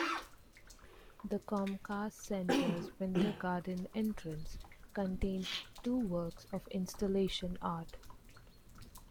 The Comcast Center's winter garden entrance contains two works of installation art.